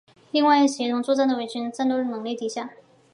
另外协同作战的伪军的战斗能力低下。